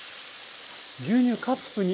牛乳カップ２。